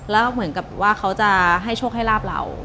แล้วเหมือนกับว่าเขาจะให้โชคให้ลาบเรา